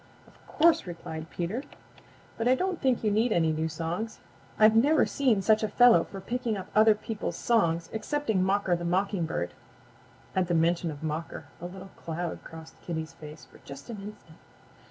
"Of course," replied Peter, "but I don't think you need any new songs. I've never seen such a fellow for picking up other people's songs excepting Mocker the Mockingbird." At the mention of Mocker a little cloud crossed Kitty's face for just an instant.